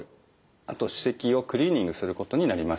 あと歯石をクリーニングすることになります。